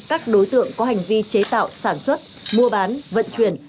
các đối tượng có hành vi chế tạo sản xuất mua bán vận chuyển